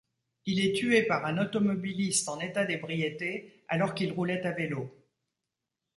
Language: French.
Il est tué par un automobiliste en état d'ébriété alors qu'il roulait à vélo.